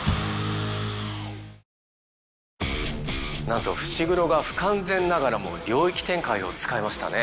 なんと伏黒が不完全ながらも領域展開を使いましたね。